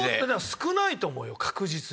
少ないと思うよ確実に。